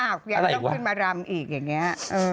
อ้าวอย่าต้องขึ้นมารำอีกอย่างเงี้ย